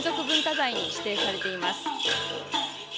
文化財に指定されています。